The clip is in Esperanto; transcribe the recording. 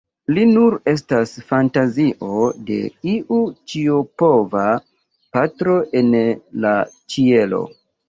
Li nur estas fantazio de iu ĉiopova patro en la ĉielo.